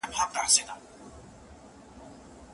لوستې مور د ماشوم د ودې ملاتړ کوي.